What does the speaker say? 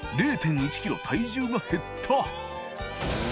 １ｋｇ体重が減った磴